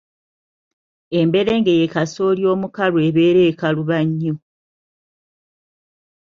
Emberenge ye kasooli omukalu ebeera ekaluba nnyo.